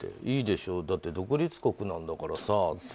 いいでしょだって独立国なんだからさ。